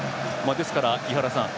ですから、井原さん